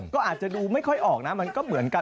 ก็อาจจะดูไม่ค่อยออกนะมันก็เหมือนกัน